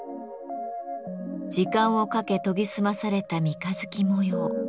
時間をかけ研ぎ澄まされた三日月模様。